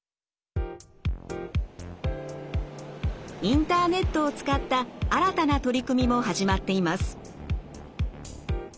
インターネットを使った新たな取り組みも始まっています。